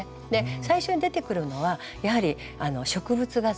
最初に出てくるのはやはり植物画図